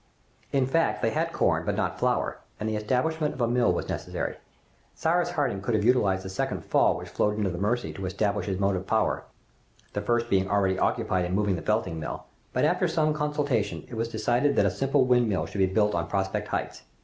In fact, they had corn, but not flour, and the establishment of a mill was necessary. Cyrus Harding could have utilized the second fall which flowed into the Mercy to establish his motive power, the first being already occupied with moving the felting mill, but, after some consultation, it was decided that a simple windmill should be built on Prospect Heights.